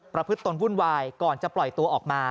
ประพฤติตนวุ่นวายก่อนจะปล่อยตัวออกมา